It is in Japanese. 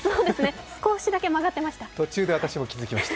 少しだけ曲がってました。